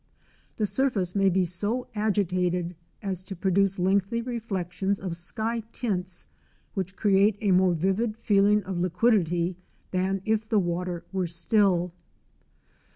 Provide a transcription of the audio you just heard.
The surface may be so agitated as to produce lengthy reflections of sky tints, which create a more vivid feeling of liquidity than if the water were still.